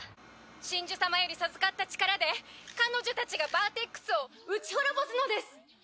神樹様より授かった力で彼女たちがバーテックスを撃ち滅ぼすのです。